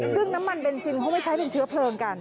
ซึ่งน้ำมันเบนซินเขาไม่ใช้เป็นเชื้อเพลิงกัน